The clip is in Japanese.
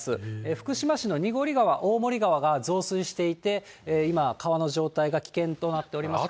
福島市のにごり川、おおもり川が増水していて、今、川の状態が危険となっていますから。